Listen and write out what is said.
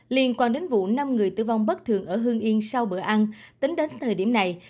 liên quan đến vụ năm người tử vong bất thường ở hương yên sau bữa ăn tính đến thời điểm này